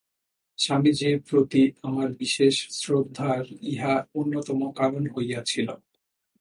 স্বামীজীর প্রতি আমার বিশেষ শ্রদ্ধার ইহা অন্যতম কারণ হইয়াছিল।